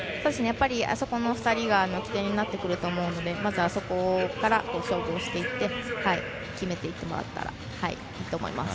あそこの２人が起点になってくると思うのでまずあそこから勝負をしていって決めていってもらったらいいと思います。